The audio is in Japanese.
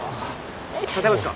立てますか？